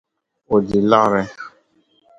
O di liɣri.